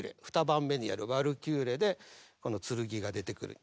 ２番目にやる「ワルキューレ」でこの剣が出てくる。